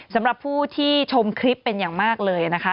สำหรับผู้ที่ชมคลิปเป็นอย่างมากเลยนะคะ